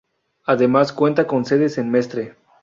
Además, cuenta con sedes en Mestre.